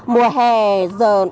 mùa hè giờ